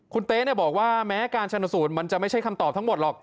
คุณเต๊บอกว่าแม้การชนสูตรมันจะไม่ใช่คำตอบทั้งหมดหรอก